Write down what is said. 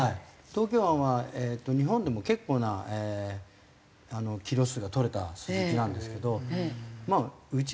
東京湾は日本でも結構なキロ数がとれたスズキなんですけどうち